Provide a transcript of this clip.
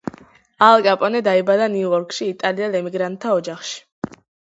ალ კაპონე დაიბადა ნიუ იორკში იტალიელ ემიგრანტთა ოჯახში.